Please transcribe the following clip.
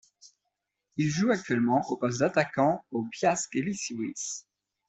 Il joue actuellement au poste d'attaquant au Piast Gliwice.